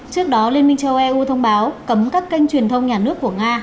trước đó liên minh châu âu thông báo cấm các kênh truyền thông nhà nước của nga